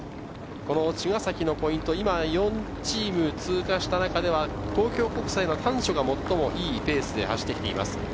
茅ヶ崎のポイント、今４チーム通過した中では東京国際の丹所が最も良いペースで走ってきています。